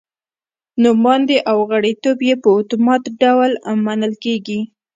نوماندي او غړیتوب یې په اتومات ډول منل کېږي.